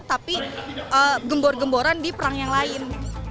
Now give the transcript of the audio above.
tapi gembor gemboran di perang yang lain